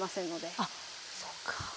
ああそうか。